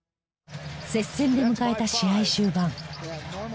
接戦で迎えた試合終盤。